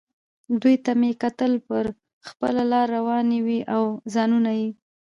دوی ته مې کتل، پر خپله لار روانې وې او ځانونه یې.